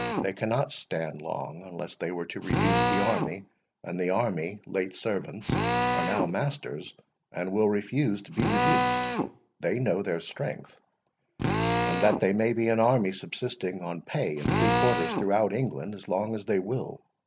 They cannot stand long unless they were to reduce the army; and the army, late servants, are now masters, and will refuse to be reduced. They know their strength, and that they may be an army subsisting on pay and free quarters throughout England as long as they will.